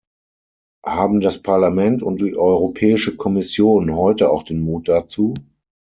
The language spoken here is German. Haben das Parlament und die Europäische Kommission heute auch den Mut dazu?